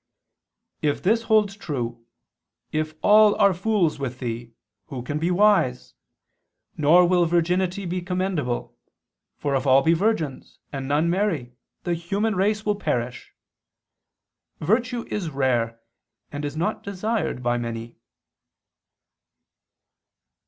If this holds true, if all are fools with thee, who can be wise? Nor will virginity be commendable, for if all be virgins, and none marry, the human race will perish. Virtue is rare, and is not desired by many."